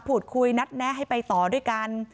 พูดคุยนัดแนะให้ไปต่อด้วยกัน